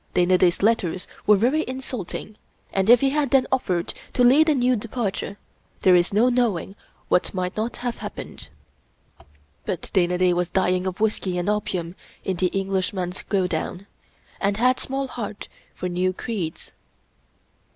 . Dana Da's letters were very in sulting, and if he had then offered to lead a new departure, there is no knowing what might not have happened. But Dana Da was dying of whisky and opium in the Englishman's go down, and had small heart for new creeds.